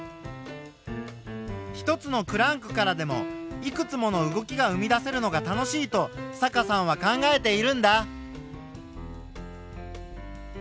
一つのクランクからでもいくつもの動きが生み出せるのが楽しいと坂さんは考えているんだ。